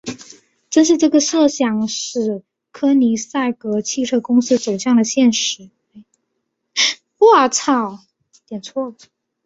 正是这个设想使柯尼塞格汽车公司走向了现实。